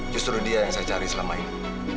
justru dia yang saya cari selama ini